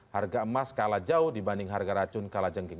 harga emas kalah jauh dibanding harga racun kalajengking